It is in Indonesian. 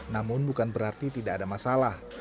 namun bukan berarti tidak ada masalah